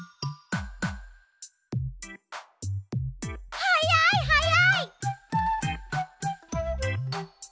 はやいはやい！